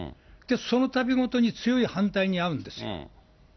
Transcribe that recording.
そのたびごとに強い反対に遭うんですよ。